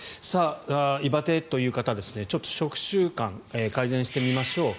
胃バテという方、ちょっと食習慣を改善してみましょう。